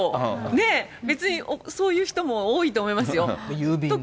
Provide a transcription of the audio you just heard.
ねぇ、別にそういう人も多いと思いますよ。